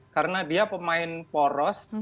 karena dia pemain poros